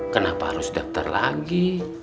kenapa harus daftar lagi